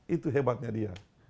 itu hebatnya dia